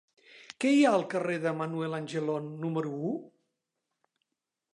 Què hi ha al carrer de Manuel Angelon número u?